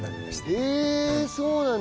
へえそうなんだ。